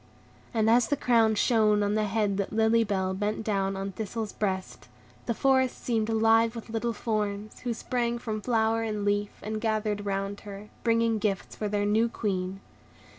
And as the crown shone on the head that Lily Bell bent down on Thistle's breast, the forest seemed alive with little forms, who sprang from flower and leaf, and gathered round her, bringing gifts for their new Queen.